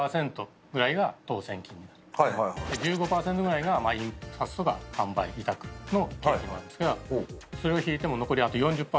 １５％ぐらいが印刷とか販売委託の経費になるんですがそれを引いても残りあと４０％ぐらいが。